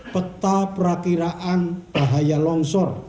peta perakiraan bahaya longsor